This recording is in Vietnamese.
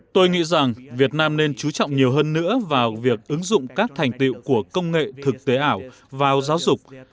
tôi nghĩ rằng việt nam nên chú trọng nhiều hơn nữa vào việc ứng dụng các thành tiệu của công nghệ thực tế ảo vào giáo dục